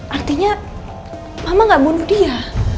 artinya mama gak bunuh dia